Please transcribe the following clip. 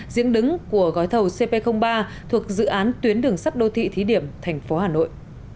diễn đứng của gói thầu cp ba thuộc dự án tuyến đường sắt đô thị thí điểm thành phố hà nội